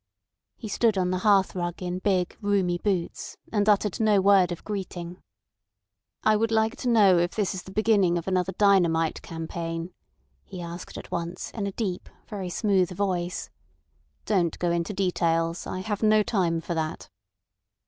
He stood on the hearthrug in big, roomy boots, and uttered no word of greeting. "I would like to know if this is the beginning of another dynamite campaign," he asked at once in a deep, very smooth voice. "Don't go into details. I have no time for that."